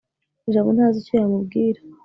jabo ntazi icyo yamubwira